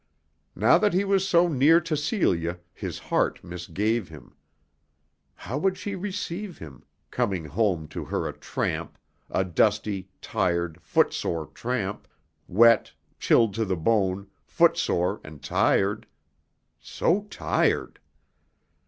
Now that he was so near to Celia his heart misgave him. How would she receive him, coming home to her a tramp, a dusty, tired, footsore tramp, wet, chilled to the bone, footsore and tired! So tired!